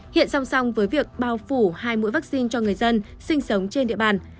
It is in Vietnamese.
hiện song song với việc bao phủ hai mũi vaccine cho người dân sinh sống trên địa bàn